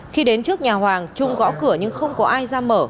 khi đến trước nhà hoàng trung gõ cửa nhưng không có ai ra mở